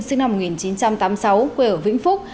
sinh năm một nghìn chín trăm tám mươi sáu quê ở vĩnh phúc